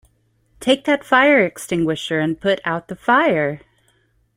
Take that fire extinguisher and put out the fire!